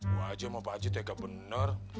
bu haji sama pak haji tega bener